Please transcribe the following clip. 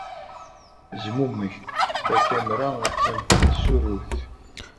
Zmumeg. Takamra attan tettsurrut.